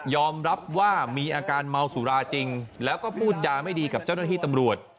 อมรับว่ามีอาการเมาสุราจริงแล้วก็พูดจาไม่ดีกับเจ้าหน้าที่ตำรวจ